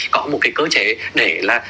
có một cái cơ chế để là